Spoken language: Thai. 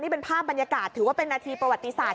เป็นภาพบรรยากาศถือว่าเป็นนาทีประวัติศาสต